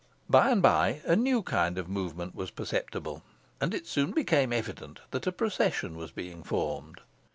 By and by a new kind of movement was perceptible, and it soon became evident that a procession was being formed.